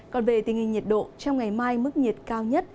còn về tình hình nhiệt độ trong ngày mai mức nhiệt cao nhất